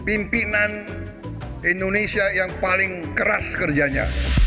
pimpinan indonesia yang paling keras kerjanya